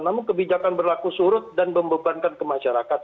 namun kebijakan berlaku surut dan membebankan ke masyarakat